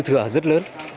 dư thừa rất lớn